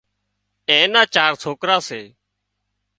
اين نا چار سوڪرا سي